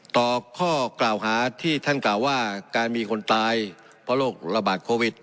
ข้อกล่าวหาที่ท่านกล่าวว่าการมีคนตายเพราะโรคระบาดโควิด